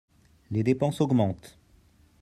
Les dépenses augmentent